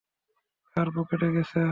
কার পকেটে গেছে?